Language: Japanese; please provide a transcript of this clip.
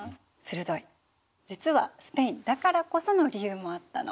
実はスペインだからこその理由もあったの。